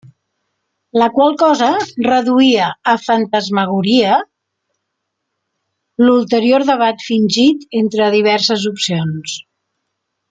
La qual cosa reduïa a fantasmagoria l'ulterior debat fingit entre diverses opcions.